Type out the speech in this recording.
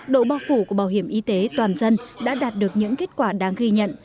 độ bao phủ của bảo hiểm y tế toàn dân đã đạt được những kết quả đáng ghi nhận